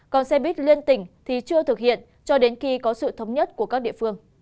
còn xe buýt liên tỉnh thì chưa thực hiện cho đến khi có sự thống nhất của các địa phương